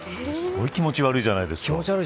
すごい気持ち悪いじゃないですか。